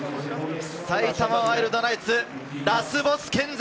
埼玉ワイルドナイツ、ラスボス見参！